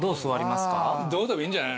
どうでもいいんじゃない？